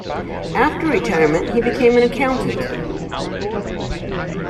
After retirement he became an accountant.